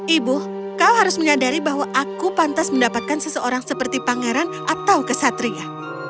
ibu kau harus menyadari bahwa aku pantas mendapatkan seseorang seperti pangeran atau kesatria